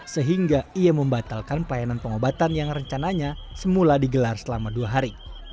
sehingga ia membatalkan pelayanan pengobatan yang rencananya semula digelar selama dua hari